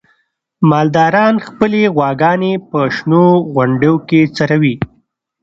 مالداران خپلې غواګانې په شنو غونډیو کې څروي.